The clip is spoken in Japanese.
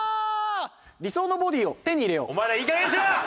理想のボディーを手に入れよう。